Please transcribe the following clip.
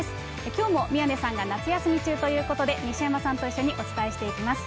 きょうも宮根さんが夏休み中ということで、西山さんと一緒にお伝えしていきます。